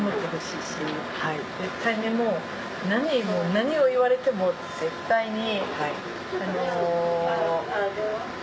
もう何を言われても絶対に。